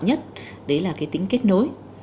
cái lợi thế quan trọng nhất đấy là cái tính kết nối